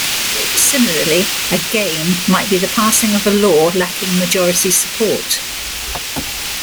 Similarly, a "game" might be the passing of a law lacking majority support.